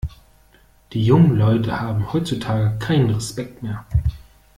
Die jungen Leute haben heutzutage keinen Respekt mehr!